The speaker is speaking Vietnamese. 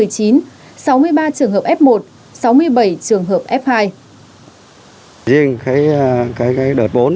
trường hợp f một sáu mươi bảy trường hợp f hai